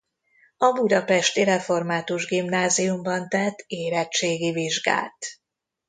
A budapesti református gimnáziumban tett érettségi vizsgát.